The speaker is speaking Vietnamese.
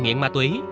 nghiện ma túy